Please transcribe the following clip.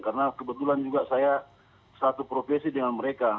karena kebetulan juga saya satu profesi dengan mereka